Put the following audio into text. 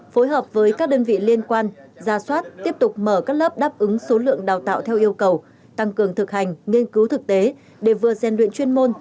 phối hợp với các đơn vị liên quan ra soát tiếp tục mở các lớp đáp ứng số lượng đào tạo theo yêu cầu tăng cường thực hành nghiên cứu thực tế để vừa gian luyện chuyên môn